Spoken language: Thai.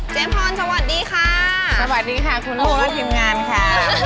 เจมส์ฮรอนสวัสดีค่ะสวัสดีค่ะคุณโน้ทและทีมงานค่ะ